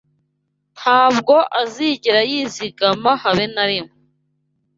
ntabwo azigera yizigama habe narimwe